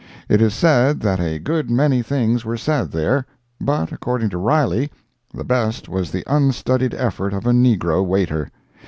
It is said that a good many things were said there, but, according to Riley, the best was the unstudied effort of a negro waiter.